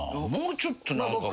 もうちょっと何か。